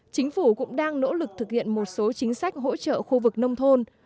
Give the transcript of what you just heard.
chính phủ cũng đang nỗ lực thực hiện một số chính sách hỗ trợ khu vực nông thôn